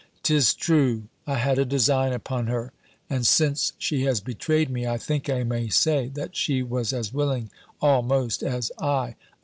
'Tis true, I had a design upon her; and since she has betrayed me, I think I may say, that she was as willing, almost, as I."